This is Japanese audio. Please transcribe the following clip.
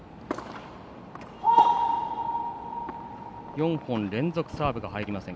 ４本連続サーブが入りません。